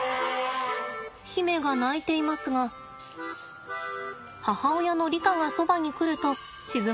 媛が鳴いていますが母親のリカがそばに来ると静まりました。